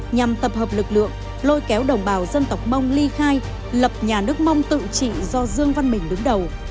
nhằm tập hợp lực lượng lôi kéo đồng bào dân tộc mông ly khai lập nhà nước mông tự trị do dương văn bình đứng đầu